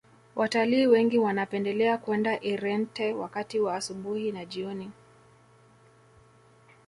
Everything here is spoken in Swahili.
watalii wengi wanapendelea kwenda irente wakati wa asubuhi na jioni